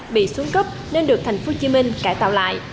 bị xuống cấp nên được thành phố hồ chí minh cải tạo lại